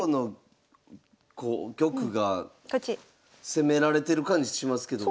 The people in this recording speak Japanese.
攻められてる感じしますけど。